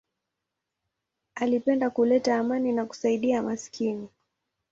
Alipenda kuleta amani na kusaidia maskini.